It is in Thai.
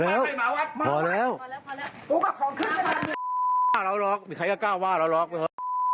เฮ้ยไปคุยกับเขาทำไม